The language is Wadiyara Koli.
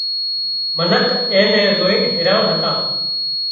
منک اين نين زوئينَ حيران هتان